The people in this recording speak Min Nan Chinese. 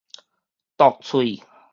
毒喙